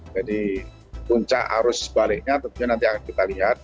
jadi puncak arus baliknya tentunya nanti akan kita lihat